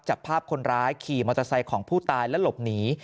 จับภาพคนร้ายขี่มอเตอร์ไซค์ของผู้ตายและหลบหนี